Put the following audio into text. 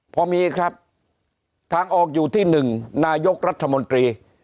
พอมีครับทางออกอยู่ที่๑นายกรัฐมนตรี